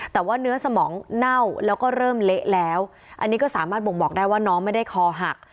แต่ว่าเนื้อสมองเน่าแล้วก็เริ่มเละแล้วอันนี้ก็สามารถบ่งบอกได้ว่าน้องไม่ได้คอหัก